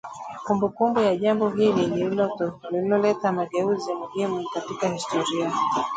kumbukumbu ya jambo hili lililoleta mageuzi muhimu katika historia